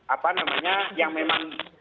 apa namanya yang memang